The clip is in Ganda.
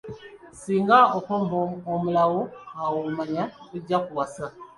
Singa okomba omulawo awo omanya tojja kuwasa.